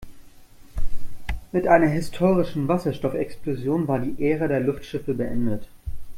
Mit einer historischen Wasserstoffexplosion war die Ära der Luftschiffe beendet.